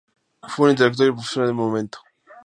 Fue un intelectual y profesional del momento.